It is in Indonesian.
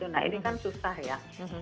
nah ini kan susah ya